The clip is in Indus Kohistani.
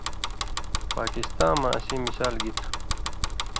پاکستاں مہ اسیں مثال گی تُھو؟